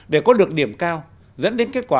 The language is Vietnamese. để có được điểm cao dẫn đến kết quả